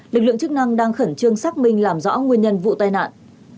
lực lượng chức năng đang khẩn trương xác minh làm rõ nguyên nhân vụ tai nạn